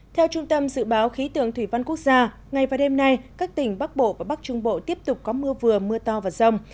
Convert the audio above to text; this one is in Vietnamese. theo trung tâm dự báo khí tượng thủy văn quốc gia ngày và đêm nay các tỉnh bắc bộ và bắc trung bộ tiếp tục có mưa vừa mưa to và rông